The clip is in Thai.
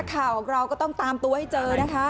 พี่แกบอกว่าคุณผู้ชมไปดูคลิปนี้กันหน่อยนะฮะ